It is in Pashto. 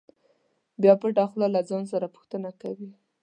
بیا پټه خوله له ځان څخه پوښتنه کوي.